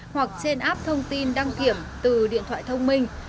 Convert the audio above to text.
hoặc trên app thông tin đăng kiểm từ điện thoại thông minh